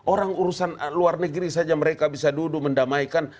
orang urusan luar negeri saja mereka bisa duduk mendamaikan